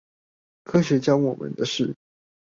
科學教我們的事